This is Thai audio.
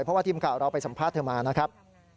เพราะว่าทีมข่าวเราไปสัมภาษณ์เธอมานะครับ